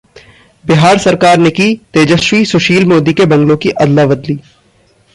बिहार सरकार ने की तेजस्वी-सुशील मोदी के बंगलों की अदला-बदली